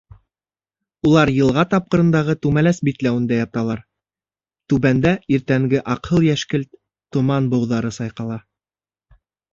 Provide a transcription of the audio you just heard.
Улар йылға тапҡырындағы түмәләс битләүендә яталар, түбәндә иртәнге аҡһыл-йәшкелт томан быуҙары сайҡала.